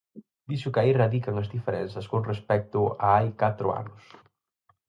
Dixo que aí radican as diferenzas con respecto a hai catro anos.